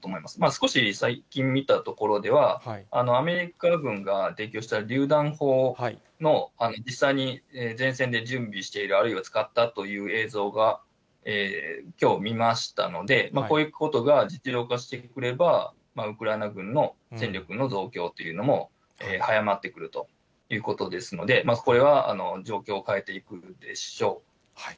少し最近見たところでは、アメリカ軍が提供したりゅう弾砲の、実際に前線で準備している、あるいは使ったという映像が、きょう見ましたので、こういうことが実用化してくれば、ウクライナ軍の戦力の増強というのも早まってくるということですので、これは状況を変えていくでしょう。